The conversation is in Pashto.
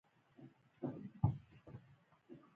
ځانځاني شخړه.